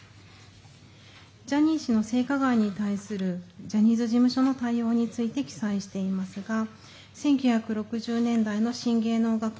ジャニー氏の性加害についてのジャニーズ事務所の対応について記載していますが１９６０年代の訴訟